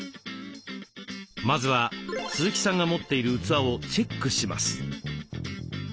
まずは鈴木さんが持っている器をチェックします。